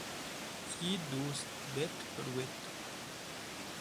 yi dust bet purwetu